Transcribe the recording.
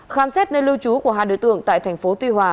khám xét nơi lưu trú của hai đối tượng tại tp tuy hòa